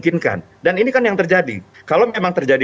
karena di indonesia ini